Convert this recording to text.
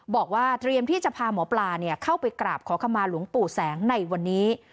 บอกว่าเตรียมที่จะพาหมอปลาเข้าไปกราบขอขมาหลวงปู่แสงในวันนี้